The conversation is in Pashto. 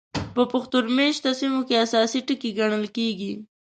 په پښتون مېشتو سیمو کې اساسي ټکي ګڼل کېږي.